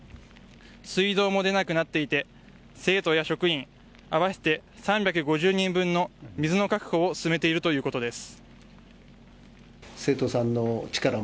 水道も出なくなっていて生徒や職員合わせて３５０人分の水の確保を進めているということです。